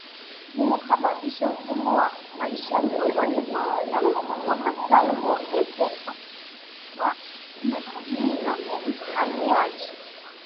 zimesababisha ugumu wa maisha miongoni mwa Wamasai kuongezeka kwa umaskini na uhamiaji